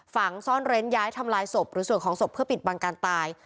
ฝังซ่อนเร้นย้ายทำลายศพหรือส่วนของศพเพื่อปิดบังการตาย